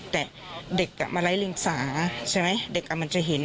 แต่เด็กมาไร้ลิงสาใช่ไหมเด็กมันจะเห็น